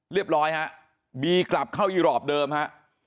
เรียบร้อยฮะบีกลับเข้าอีรอปเดิมฮะ